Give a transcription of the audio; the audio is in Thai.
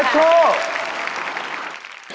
เทชู